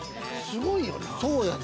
すごいよな。